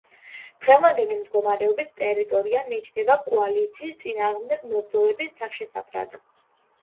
დრევანდელი მდგომარეობით ტერიტორია მიიჩნევა კოალიციის წინააღმდეგ მებრძოლების თავშესაფრად.